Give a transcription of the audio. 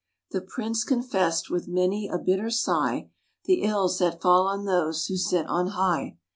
The Prince confessed, with many a bitter sigh, The ills that fall on those who sit on high.